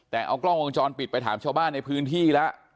แต่เอากล้องวงจรปิดไปถามชาวบ้านในพื้นที่แล้ว